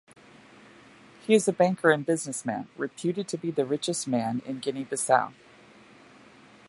He is a banker and businessman, reputed to be the richest man in Guinea-Bissau.